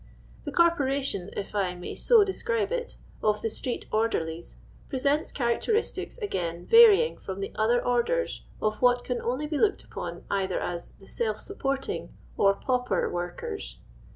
The corporation, if I may so describe it, of the street orderiies, presents characteristics, again, varying from the other orders of what can only be looked upon either as the self supporting or pauper workers.